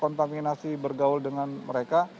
terkontaminasi bergaul dengan mereka